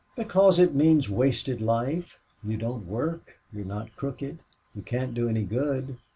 "Because it means wasted life. You don't work. You're not crooked. You can't do any good.